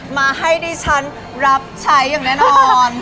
มาให้ดิฉันรับใช้อย่างแน่นอน